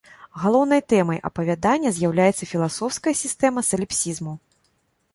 Галоўнай тэмай апавядання з'яўляецца філасофская сістэма саліпсізму.